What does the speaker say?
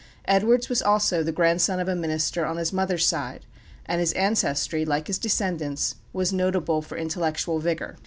Edwards was also the grandson of a minister on his mother's side; and his ancestry, like his descendants, was notable for intellectual vigor.